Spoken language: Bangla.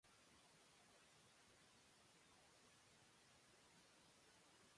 ছবি উল্লেখ করুন।